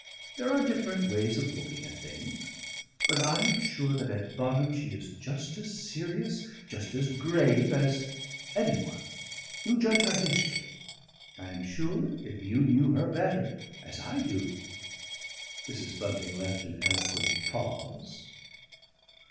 There are different ways of looking at things. But I am sure that at bottom she is just as serious, just as grave, as any one. You judge her hastily. I am sure if you knew her better as I do " Mrs. Bunting left an eloquent pause.